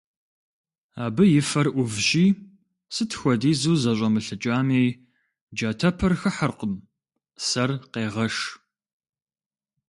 Абы и фэр Ӏувщи, сыт хуэдизу зэщӀэмылъыкӀами, джатэпэр хыхьэркъым, сэр къегъэш.